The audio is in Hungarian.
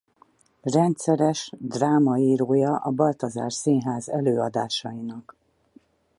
Rendszeres drámaírója a Baltazár Színház előadásainak.